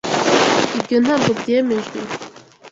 Ibyo ntabwo byemejwe